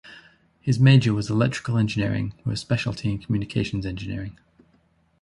His major was electrical engineering with a specialty in communications engineering.